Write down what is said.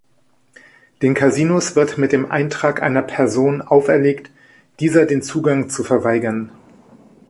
Den Kasinos wird mit dem Eintrag einer Person auferlegt, dieser den Zugang zu verweigern.